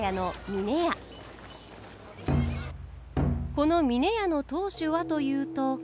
この峰屋の当主はというと。